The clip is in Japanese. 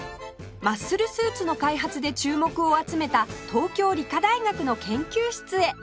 マッスルスーツの開発で注目を集めた東京理科大学の研究室へ